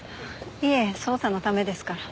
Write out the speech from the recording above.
いえ捜査のためですから。